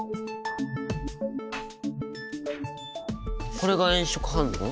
これが炎色反応？